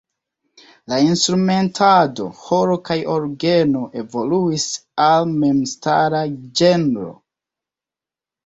La instrumentado "ĥoro kaj orgeno" evoluis al memstara ĝenro.